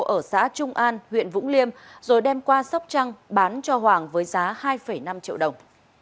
ở xã trung an huyện vũng liêm rồi đem qua sóc trăng bán cho hoàng với giá hai năm triệu đồng